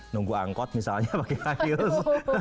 nunggu angkot misalnya pakai high heels